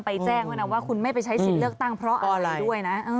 แจ้งไว้นะว่าคุณไม่ไปใช้สิทธิ์เลือกตั้งเพราะอะไรด้วยนะ